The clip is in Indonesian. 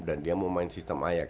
dan dia mau main sistem ajax